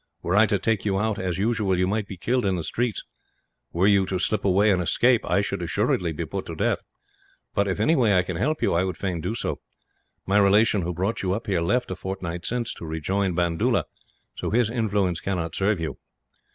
Were I to take you out, as usual, you might be killed in the streets; were you to slip away and escape, I should assuredly be put to death; but if in any way I can help you, I would fain do so. My relation who brought you up here left, a fortnight since, to rejoin Bandoola; so his influence cannot serve you.